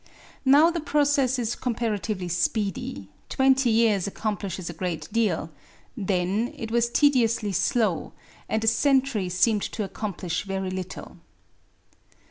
Now the process is comparatively speedy: twenty years accomplishes a great deal: then it was tediously slow, and a century seemed to accomplish very little.